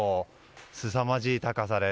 すさまじい高さです。